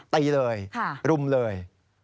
ตีเลยรุมเลย